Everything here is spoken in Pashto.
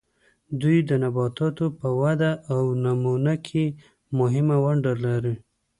دوی د نباتاتو په وده او نمو کې مهمه ونډه لري.